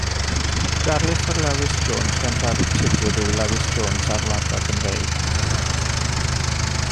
Darlith ar Lewis Jones gan Dafydd Tudur yw Lewis Jones a'r Wladfa Gymreig.